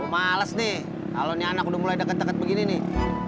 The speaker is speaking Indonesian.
saya malas nih kalo anak udah mulai deket begini nih